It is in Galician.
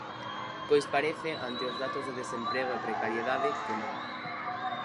Pois parece, ante os datos de desemprego e precariedade, que non.